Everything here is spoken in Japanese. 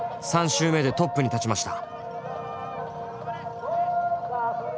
３周目でトップに立ちました。